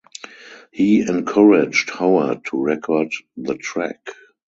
He encouraged Howard to record the track.